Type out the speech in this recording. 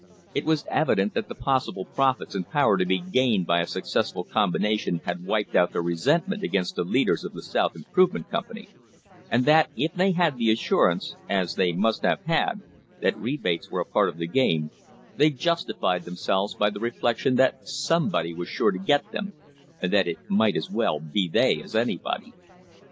It was evident that the possible profits and power to be gained by a successful combination had wiped out their resentment against the leaders of the South Improve ment Company, and that if they had the assurance, as they must have had, that rebates were a part of the game, they justified themselves by the reflection that somebody was sure to get them, and that it might as well be they as anybody.